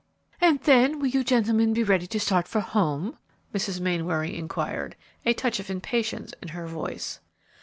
"And then will you gentlemen be ready to start for home?" Mrs. Mainwaring inquired, a touch of impatience in her voice.